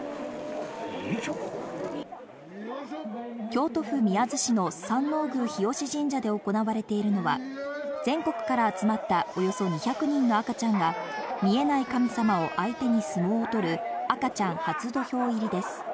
京都府宮津市の山王宮日吉神社で行われているのは全国から集まったおよそ２００人の赤ちゃんが見えない神様を相手に相撲をとる赤ちゃん初土俵入です。